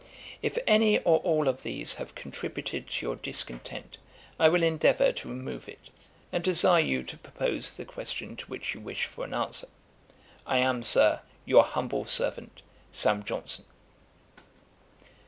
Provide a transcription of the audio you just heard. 'If any or all of these have contributed to your discontent, I will endeavour to remove it; and desire you to propose the question to which you wish for an answer. 'I am, Sir, 'Your humble servant, 'SAM. JOHNSON.'